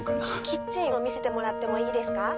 キッチンを見せてもらってもいいですか？